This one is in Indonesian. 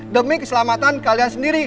demi keselamatan kalian sendiri